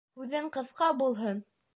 Һүҙең ҡыҫҡа булһын